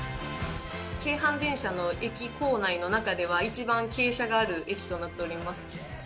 京阪電車の駅構内の中では一番傾斜がある駅となっております。